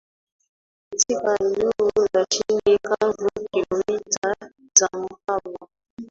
Katika eneo la nchi kavu Kilomita za mraba